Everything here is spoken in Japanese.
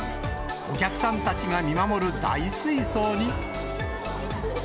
お客さんたちが見守る大水槽に。